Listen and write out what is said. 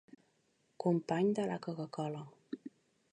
Company de la coca-cola.